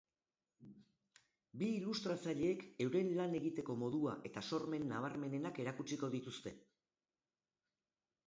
Bi ilustratzaileek euren lan egiteko modua eta sormen nabarmenenak erakutsiko dituzte.